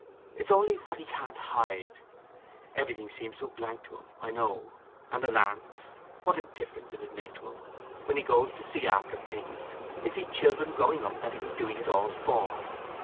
It's only what he can't hide: everything seems so blank to him, I know; and the land—what a difference it 'ud make to him, when he goes to see after things, if he'd children growing up that he was doing it all for!